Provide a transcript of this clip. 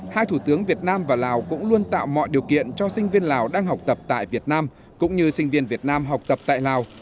hai thủ tướng việt nam và lào cũng luôn tạo mọi điều kiện cho sinh viên lào đang học tập tại việt nam cũng như sinh viên việt nam học tập tại lào